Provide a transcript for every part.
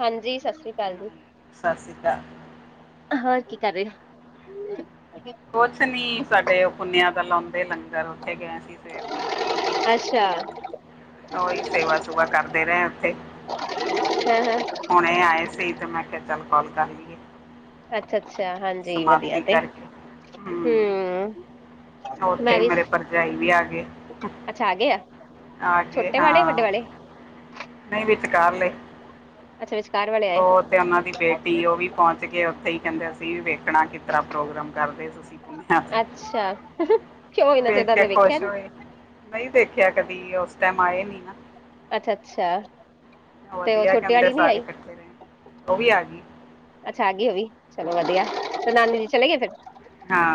ਹਾਂਜੀ ਸਤਿ ਸ੍ਰੀ ਅਕਾਲ ਜੀ। ਸਤਿ ਸ੍ਰੀ ਅਕਾਲ। ਹੋਰ ਕੀ ਕਰ ਰਏ। ਕੁਛ ਨੀ ਸਾਡੇ ਓ ਪੁੰਨਿਆ ਦਾ ਲਾਉਂਦੇ ਲੰਗਰ ਉੱਥੇ ਗਏ ਸੀ ਸਵੇਰ ਦੇ ਅੱਛਾ ਉਹੀ ਸੇਵਾ ਸੂਵਾ ਕਰਦੇ ਰਏ ਉਥੇ ਹਾਂ ਹਾਂ ਹੁਣੇ ਆਏ ਸੀ ਤੇ ਮੈਂ ਕਿਆ ਚੱਲ ਕਾਲ ਕਰ ਲਈਏ। ਅੱਛਾ-ਅੱਛਾ ਹਾਂਜੀ ਵਧੀਆ ਸਮਾਪਤੀ ਤੇ ਕਰਕੇ ਹਮ ਹੂੰ। ਮੈਂ ਉੱਥੇ ਵੀ ਮੇਰੇ ਭਰਜਾਈ ਵੀ ਆ ਗਏ। ਅੱਛਾ ਆ ਗਏ ਆ ਛੋਟੇ ਵਾਲੇ ਵੱਡੇ ਵਾਲੇ ਨਈ ਵਿੱਚਕਾਰ ਲਏ। ਅੱਛਾ ਵਿਚਕਾਰ ਵਾਲੇ ਆਏ ਓ ਤੇ ਉਹਨਾਂ ਦੀ ਬੇਟੀ ਓ ਵੀ ਪਹੁੰਚ ਕੇ ਉੱਥੇ ਹੀ ਕੈਂਦੇ ਅਸੀਂ ਵੇਖਣਾ ਜਿਸ ਤਰਾਂ ਪ੍ਰੋਗਰਾਮ ਕਰਦੇ ਤੁਸੀਂ ਘੁੰਮਿਆ ਅੱਛਾ ਕਿਉਂ ਇੰਨਾ ਚਿਰ ਵੇਖ ਦਾ ਕੇ ਮੈਂ ਵੇਖਿਆ ਖੁਸ਼ ਨੀ ਹੋਏ। ਨਈ ਦੇਖਿਆ ਕਦੀ ਉਸ ਟੈਮ ਆਏ ਨੀ ਨਾ। ਅੱਛਾ-ਅੱਛਾ ਵਧੀਆ ਕੈਂਦੇ ਸਾਰੇ ਕੱਠੇ ਰਏ ਓ ਵੀ ਆ ਗਈ। ਅੱਛਾ ਆਗੀ ਓ ਵੀ ਚਲੋ ਵਧੀਆ ਹਮ ਤੇ ਨਾਨੀ ਜੀ ਚਲੇ ਗਏ ਫਿਰ ਹਾਂ।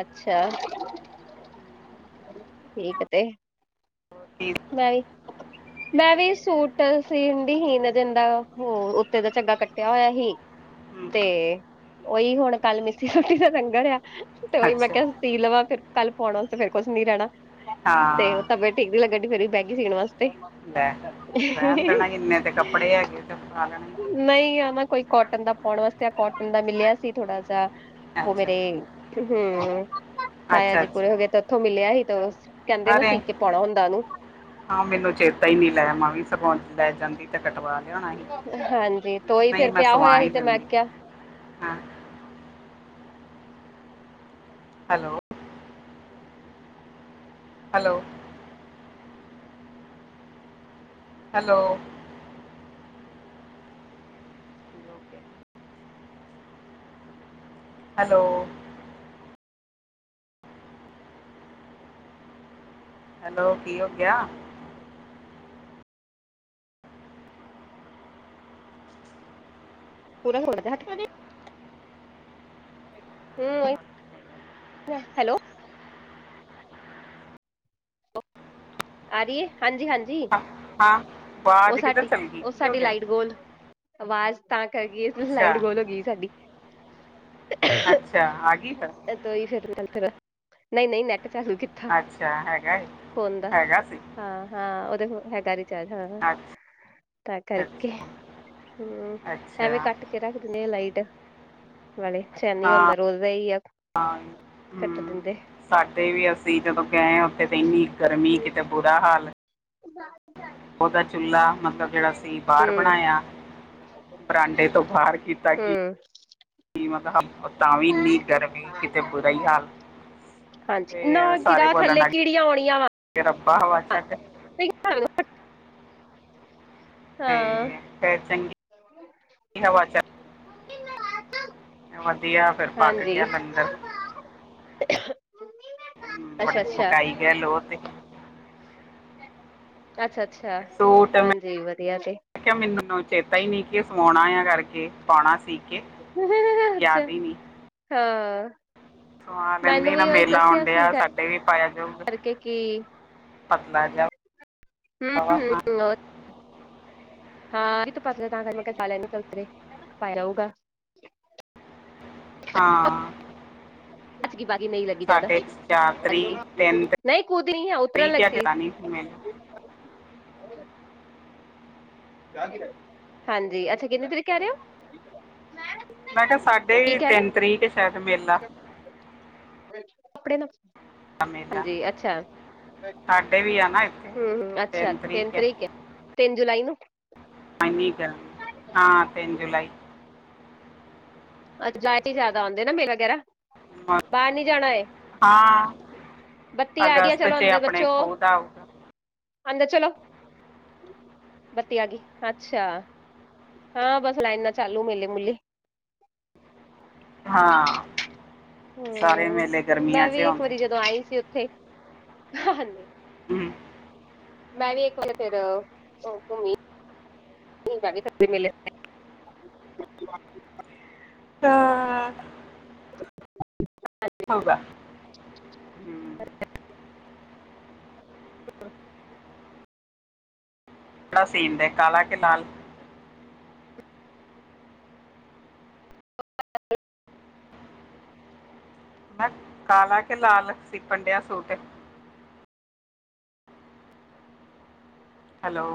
ਅੱਛਾ ਠੀਕ ਤੇ ਠੀਕ ਮੈਂ ਵੀ ਮੈਂ ਵੀ ਸੂਟ ਸੀਣ ਡੀ ਹੀ ਇੰਨੇ ਦਿਨਦਾ ਉੱਤੇ ਦਾ ਚੱਗਾ ਕੱਟਿਆ ਹੋਇਆ ਹੀ। ਤੇ ਹਮ, ਉਹੀ ਹੁਣ ਕੱਲ ਮਿੱਸੀ ਰੋਟੀ ਦਾ ਲੰਗਰ ਆ ਤੇ ਉਹੀ ਮੈਂ ਅੱਛਾ ਕਿਆ ਸੀ ਲਵਾਂ ਫਿਰ ਕੱਲ ਪਾਉਣਾ ਤੇ ਫੇਰ ਕੁਛ ਨੀ ਰੈਂਣਾ ਤੇ ਓ ਹਾਂ ਤਬੀਅਤ ਠੀਕ ਨੀ ਲੱਗਣ ਫਿਰ ਵੀ ਬਹਿਗੀ ਸੀਣ ਵਾਸਤੇ ਲੈ ਰੈਂਣ ਦੇਣਾ ਇੰਨੇ ਤੇ ਕੱਪੜੇ ਹੈਗੇ ਤੇ ਪਾ ਲੈਣਾ ਕੋਈ ਨਈ ਹਨ ਨਾ ਕੋਈ ਕੋਟਨ ਦਾ ਪਾਉਣ ਵਾਸਤੇ ਅ ਕੋਟਨ ਦਾ ਮਿਲਿਆ ਸੀ ਥੋੜਾ ਜ ਓ ਅੱਛਾ ਮੇਰੇ ਤੇ ਹੂੰ ਤਾਇਆ ਅੱਛਾ ਜੀ ਪੂਰੇ ਹੋ ਅੱਛਾ ਗਏ ਤੇ ਉੱਥੋਂ ਮਿਲਿਆ ਹੀ ਤੇ ਕੈਂਦੇ ਨਾ ਅਰੇ ਸੀ ਕੇ ਪਾਉਣਾ ਹੁੰਦਾ ਉਹਨੂੰ ਹਾਂ ਮੈਨੂੰ ਚੇਤਾ ਹੀ ਨਈ ਲੈ ਆ ਮੈਂ ਵੀ ਸਗੋਂ ਲੈ ਜਾਂਦੀ ਤੇ ਕਟਵਾ ਮਿਲਣ ਆਏਗੀ ਹਾਂਜੀ ਤੇ ਉਹੀ ਨਈ ਫਿਰ ਮੈਂ ਪਿਆ ਸਵਾ ਹੋਇਆ ਈ ਸੀ ਤੇ ਮੈਂ ਲੈਂਦੀ ਕਿਹਾ ਹਾਂ। Hello hello hello hello hello ਕੀ ਹੋ ਗਿਆ। [inaudible] ਹੂੰ, ਹੈਲੋ। ਆ ਰਹੀ ਆ, ਹਾਂਜੀ-ਹਾਂਜੀ। ਹਾਂ, ਆਵਾਜ਼ ਕਿੱਧਰ ਓਸਾਡੀ, ਚਲ ਗਈ ਓ ਕੀ ਹੋ ਸਾਡੀ ਗਿਆ ਲਾਈਟ ਗੋਲ ਆਵਾਜ਼ ਤਾਂ ਕਟ ਗਈ, ਲਾਈਟ ਅੱਛਾ ਗੋਲ ਹੋ ਗਈ ਸਾਡੀ। ਅੱਛਾ, ਆ ਗਈ ਫੇਰ। [unintelligible] ਨਈ-ਨਈ ਨੈਟ ਚਾਲੂ ਕੀਤਾ ਅੱਛਾ, ਹੈਗਾ ਏ ਹੈਗਾ ਸੀ। ਹਾਂ-ਹਾਂ ਓਦੇ ਹੈਗਾ ਰੀਚਾਰਜ ਹਾਂ ਅੱਛਾ ਤਾਂ ਕਰਕੇ ਅੱਛਾ, ਹੂੰ, ਅੱਛਾ ਐਵੇਂ ਕੱਟ ਕੇ ਰੱਖ ਦਿਦੇ ਆ ਲਾਈਟ। ਵਾਲੇ ਚੈਨੀ ਹੁੰਦਾ ਰੋਜ਼ਦਾ ਹੀ ਆ ਹਾ। ਕੱਟ ਦਿੰਦੇ। ਸਾਡੇ ਵੀ ਅਸੀਂ ਜਦੋਂ ਗਏ ਹਾਂ ਉੱਥੇ ਤਾਂ ਏਨੀ ਗਰਮੀ ਕਿਤੇ ਬੁਰਾ ਹਾਲ [inaudible] ਓਦਾ ਚੁੱਲ੍ਹਾ ਮਤਲਬ ਜੇਹੜਾ ਸੀ ਬਾਰ ਹਮ ਬਣਾਇਆ। ਬਰਾਂਡੇ ਤੋਂ ਬਾਰ ਕੀਤਾ ਕਿ ਹਮ ਕੀਮਤ ਹਬ ਤਾ ਵੀ ਏਨੀ ਗਰਮੀ ਕਿਤੇ ਬੁਰਾ ਹੀ ਹਾਲ। ਹਾਂਜੀ, ਨਾ ਗਿਰਾ ਥੱਲੇ ਕੀੜੀਆਂ ਔਣੀਆਂ ਵਾ। ਤੇ ਰੱਬਾ ਹਵਾ ਚ [inaudible] ਹਾਂ ਤੇ ਫੈਰ ਚੰਗੀ ਹਵਾ ਚੱਲ ਵਧੀਆ ਫੇਰ ਪੱਕ ਹਾਂਜੀ ਗਿਆ ਲੰਗਰ। ਅੱਛਾ ਅੱਛਾ ਪਕਾਈ ਗਏ ਲੋ ਤੇ। ਅੱਛਾ-ਅੱਛਾ, ਹਾਂਜੀ ਵਧੀਆ ਤੇ। ਕਿਆ ਮੈਨੂੰ ਚੇਤਾ ਹੀ ਨੀ ਕਿ ਸਵਾਣਾ ਆ ਕਰਕੇ ਪਾਉਣਾ ਸੀ। ਕੇ [inaudible] ਸੁਆ ਮੈਨੂੰ ਲੈਦੇ ਨਾ ਵੀ ਉਹੀ ਮੇਲਾ ਔਣ ਡਿਆ ਸਾਡੇ ਵੀ ਪਾਇਆ ਜਾਊਗਾ। ਕਿਉ ਕੀ ਪਤਲਾ ਜਾ ਹਮ ਹਵਾ ਖਾ। ਹਮ [inaudible] ਹਾਂ। [inaudible] ਨਹੀਂ ਕੂਦੀ ਨਹੀਂ ਹੈ ਉਤਰਨ ਲੱਗੀ [inaudible] ਹਾਂਜੀ, ਅੱਛਾ ਕਿੰਨੀ ਤਰੀਕ ਕੈ ਰਹੇ ਓ? ਮੈਂ ਕਿਆ, ਸਾਡੇ ਈ ਤਿੰਨ ਤਰੀਕ ਸ਼ੈਦ ਮੇਲਾ ਕੱਪੜੇ ਦਾ ਆ ਮੇਲਾ ਹਾਂਜੀ, ਅੱਛਾ। ਸਾਡੇ ਵੀ ਆ ਨਾ ਇੱਥੇ ਹੂੰ-ਹੂੰ, ਅੱਛਾ ਤਿੰਨ ਤੇਨ ਹੈ ਤਰੀਕ ਏ, ਤਿੰਨ ਜੁਲਾਈ ਨੂੰ ਹਾਂ, ਤਿੰਨ ਜੁਲਾਈ ਮ- ਬਾਰ ਨੀ ਜਾਣਾ ਓਏ। ਹਾਂ ਬੱਤੀ ਆਗੀ ਐ, ਅਗਸਤ ਚਲੋ 'ਚ ਅੰਦਰ ਆਪਣੇ ਬੱਚੋ, ਖੋਹ ਦਾ ਆਊਗਾ ਅੰਦਰ ਚਲੋ। ਬੱਤੀ ਆਗੀ, ਅੱਛਾ, ਹਾਂ ਬਸ ਲਾਈਨਾਂ ਚਾਲੂ, ਮੇਲੇ, ਮੁੂੱਲੇ ਹਾਂ, ਸਾਰੇ ਹੂੰ ਮੇਲੇ ਗਰਮੀਆਂ ਮੈਂ ਚ ਵੀ ਇੱਕ ਔਂਦੇ। ਵਾਰੀ ਜਦੋਂ ਆਈ ਨੀ ਸੀ ਓਥੇ ਹੂੰ। [unintelligible] [unintelligible] [inaudible] [unintelligible] [inaudible] ਕਪੜਾ ਸੀਨ ਦੇ ਕਾਲਾ ਕੇ ਲਾਲ। ਕਾਲਾ ਕੇ ਲਾਲ ਸੀ ਪੰਡਿਆ ਸੂਟ। ਹੈਲੋ,